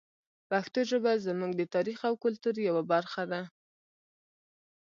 پښتو ژبه زموږ د تاریخ او کلتور یوه برخه ده.